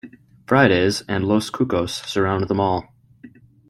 Friday's, and Los Cucos surround the mall.